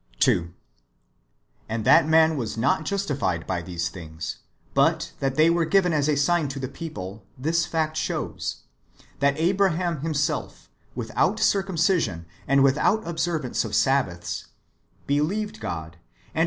2. And that man was not justified by these things, but that they were given as a sign to the people, this fact shows, — that Abraham himself, without circumcision and without observance of Sabbaths, " believed God, and it was imputed 1 Gen. xvii.